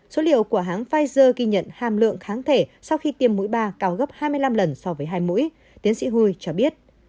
số liệu của hãng pfizer ghi nhận hàm lượng kháng thể sau khi tiêm mũi ba cao gấp hai mươi năm lần so với hai mũi tiến sĩ huy cho biết